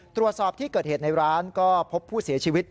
ตรวจสอบที่เกิดเหตุในร้านก็พบผู้เสียชีวิต